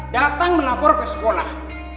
datang melapor ke sekolah